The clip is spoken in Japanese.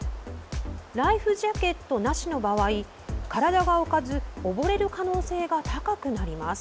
ライフジャケットなしの場合体が浮かず溺れる可能性が高くなります。